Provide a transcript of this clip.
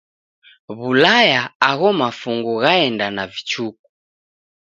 W'ulaya agho mafungu ghaenda na vichuku.